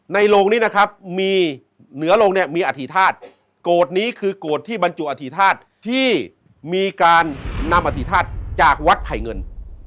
โรงนี้นะครับมีเหนือโรงเนี่ยมีอธิษฐาตุโกรธนี้คือโกรธที่บรรจุอธิษฐาตุที่มีการนำอธิษฐาตุจากวัดไผ่เงิน